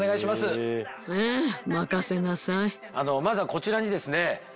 まずはこちらにですね